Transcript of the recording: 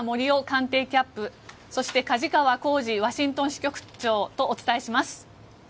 官邸キャップそして梶川幸司ワシントン支局長とお伝えします。